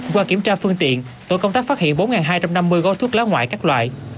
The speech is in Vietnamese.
qua kiểm tra phương tiện tổ công tác phát hiện bốn hai trăm năm mươi gói thuốc lá ngoại các loại